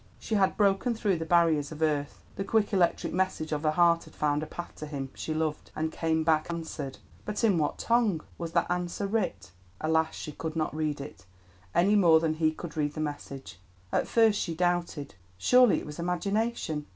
She had broken through the barriers of earth; the quick electric message of her heart had found a path to him she loved and come back answered. But in what tongue was that answer writ? Alas! she could not read it, any more than he could read the message. At first she doubted; surely it was imagination.